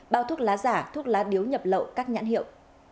một mươi hai bao thuốc lá giả thuốc lá điếu nhập lậu các nhãn hiệu